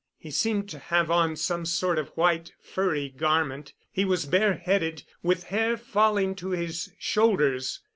He seemed to have on some sort of white, furry garment. He was bareheaded, with hair falling to his shoulders.